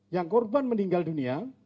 yang korban meninggal dunia